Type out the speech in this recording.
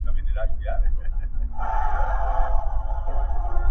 o دا چا د کوم چا د ارمان، پر لور قدم ايښی دی،